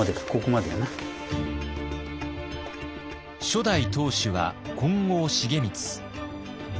初代当主は金剛重光。